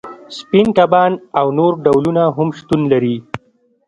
سپین کبان او نور ډولونه هم شتون لري